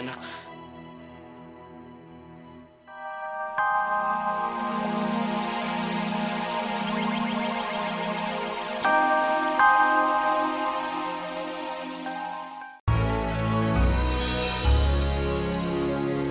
eh ken kita ngomongnya di luar aja yuk